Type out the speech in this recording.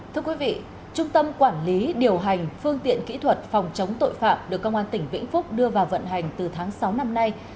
thưa quý vị trung tâm quản lý điều hành phương tiện kỹ thuật phòng chống tội phạm được công an tỉnh vĩnh phúc đưa vào vận hành từ tháng sáu năm nay